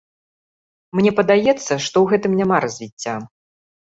Мне падаецца, што ў гэтым няма развіцця.